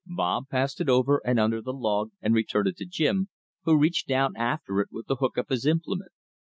Bob passed it over and under the log and returned it to Jim, who reached down after it with the hook of his implement.